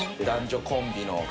男女コンビの。